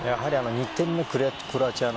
２点目のクロアチア